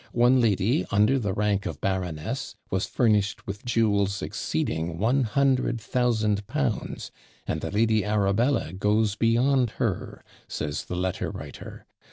One lady, under the rank of baroness, was furnished with jewels exceeding one hundred thousand pounds; "and the Lady Arabella goes beyond her," says the letter writer.